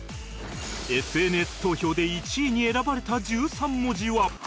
ＳＮＳ 投票で１位に選ばれた１３文字は？